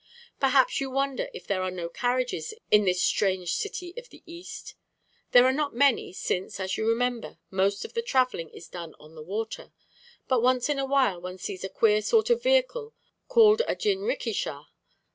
Perhaps you wonder if there are no carriages in this strange city of the East. There are not many, since, as you remember, most of the travelling is done on the water. But once in a while one sees a queer sort of vehicle called a jinrikisha.